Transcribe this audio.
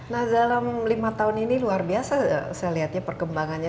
nah dalam lima tahun ini luar biasa saya lihatnya perkembangannya